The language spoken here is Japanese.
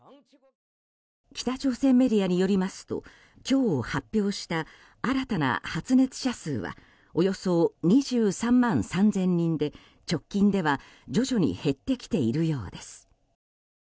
北朝鮮メディアによりますと今日発表した新たな発熱者数はおよそ２３万３０００人で直近では徐々に減ってきているようです。